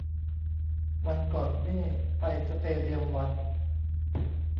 วันก่อนนี่ไปสเตเดียมวัน